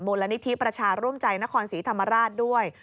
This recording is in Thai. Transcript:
มูลนิธิประชาร่วมใจนครศรีธรรมราชด้วย